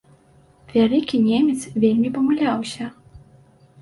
Вялікі немец вельмі памыляўся.